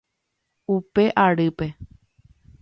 Upe arýpe.